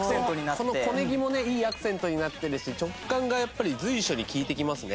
この小ネギもねいいアクセントになってるし食感がやっぱり随所に効いてきますね。